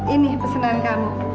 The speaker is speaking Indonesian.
ini pesanan kamu